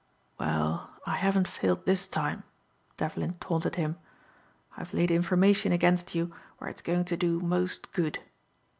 "Well, I haven't failed this time," Devlin taunted him. "I've laid information against you where it's going to do most good."